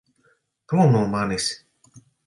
Prom no manis!